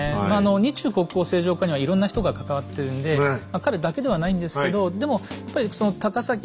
まああの日中国交正常化にはいろんな人が関わってるんで彼だけではないんですけどでもやっぱり